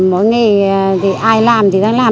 mỗi ngày thì ai làm thì đang làm